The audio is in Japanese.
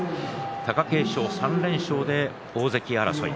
貴景勝、３連勝で大関争い